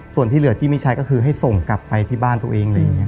ส่วนที่เหลือที่ไม่ใช้ก็คือให้ส่งกลับไปที่บ้านตัวเอง